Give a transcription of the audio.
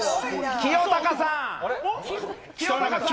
清隆さん！